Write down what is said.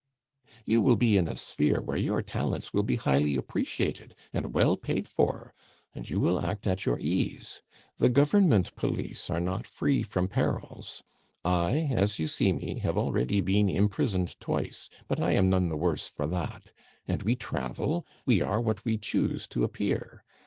"You will be in a sphere where your talents will be highly appreciated and well paid for, and you will act at your ease. The Government police are not free from perils. I, as you see me, have already been imprisoned twice, but I am none the worse for that. And we travel, we are what we choose to appear.